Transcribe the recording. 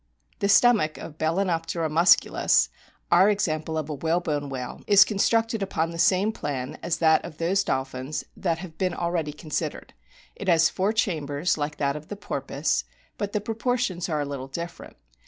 The stomach of Bal&noptera musculus, our ex ample of a whalebone whale, is constructed upon the same plan as that of those dolphins that have been already considered. It has four chambers like that of the porpoise, but the proportions are a little different.